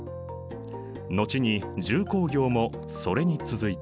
後に重工業もそれに続いた。